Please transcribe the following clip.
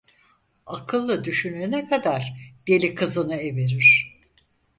Akıllı düşünene kadar, deli kızını everir!